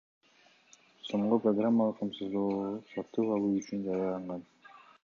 сомго программалык камсыздоо сатып алуу үчүн жарыяланган.